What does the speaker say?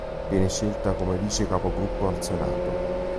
Viene scelta come vice capogruppo al Senato.